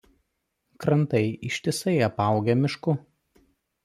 Krantai ištisai apaugę mišku.